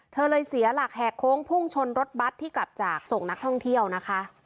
เธอเลยเสียหลักแหกโค้งพุ่งชนรถบัตรที่กลับจากส่งนักท่องเที่ยวนะคะ